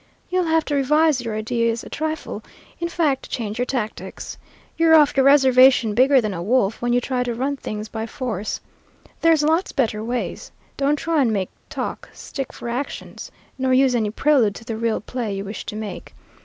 You'll have to revise your ideas a trifle; in fact, change your tactics. You're off your reservation bigger than a wolf, when you try to run things by force. There's lots better ways. Don't try and make talk stick for actions, nor use any prelude to the real play you wish to make.